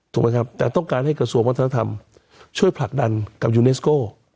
ถูกไหมครับแต่ต้องการให้กระทรวงวัฒนธรรมช่วยผลักดันกับยูเนสโก้